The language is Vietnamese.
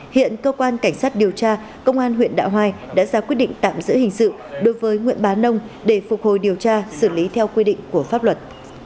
hiện cơ quan cảnh sát điều tra công an huyện đạo hoài đã ra quyết định tạm giữ hình sự đối với nguyễn bá nông để phục hồi điều tra xử lý theo quy định của pháp luật